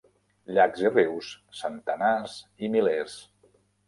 Llacs i rius, centenars, milers.